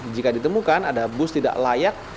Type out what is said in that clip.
jika ditemukan ada bus tidak layak